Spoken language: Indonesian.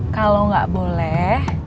kalau gak boleh